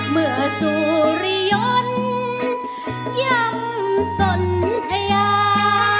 เมื่อสุริยนต์ยังสนทยา